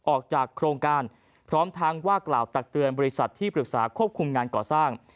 ออกจากโครงการพร้อมทั้งว่ากล่าวตักเตือนบริษัทที่ปรึกษาควบคุมงานก่อสร้าง